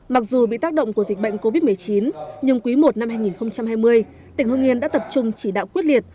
mặc dù bị tác động của dịch bệnh covid một mươi chín nhưng quý i năm hai nghìn hai mươi tỉnh hương yên đã tập trung chỉ đạo quyết liệt